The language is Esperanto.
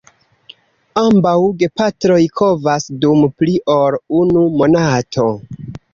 Ambaŭ gepatroj kovas dum pli ol unu monato.